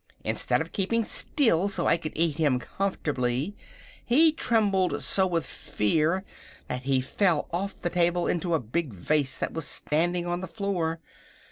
Instead of keeping still, so I could eat him comfortably, he trembled so with fear that he fell off the table into a big vase that was standing on the floor.